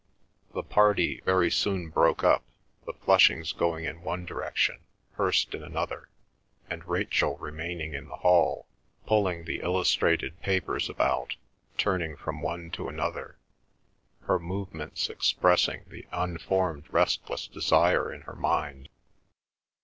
The party very soon broke up, the Flushings going in one direction, Hirst in another, and Rachel remaining in the hall, pulling the illustrated papers about, turning from one to another, her movements expressing the unformed restless desire in her mind.